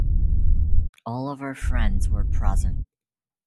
All of our friends were present.